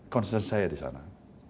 konsisten saya di sana